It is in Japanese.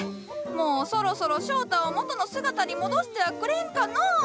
もうそろそろ翔太を元の姿に戻してはくれんかのう。